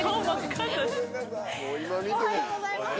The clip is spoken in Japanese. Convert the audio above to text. おはようございます。